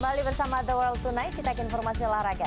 kembali bersama the world tonight kita ke informasi olahraga